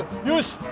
よし！